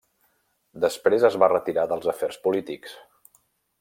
Després es va retirar dels afers polítics.